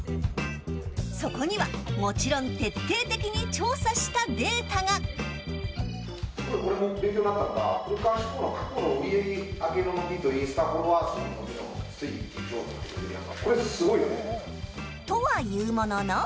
そこにはもちろん徹底的に調査したデータが。とはいうものの。